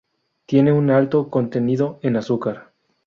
Tiene un alto contenido en azúcar.